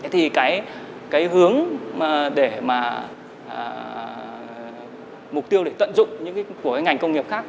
thì cái hướng để mà mục tiêu tận dụng những cái của ngành công nghiệp khác